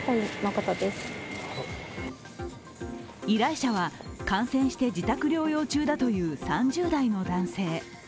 依頼者は、感染して自宅療養中だという３０代の男性。